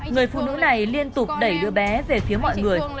người phụ nữ này liên tục đẩy đứa bé về phía mọi người